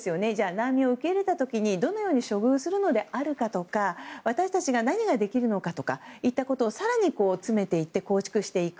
難民を受け入れた時にどのように処遇するのかとか私たちに何ができるのかを更に詰めていって構築していく。